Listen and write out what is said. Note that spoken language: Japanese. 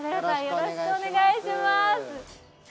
よろしくお願いします。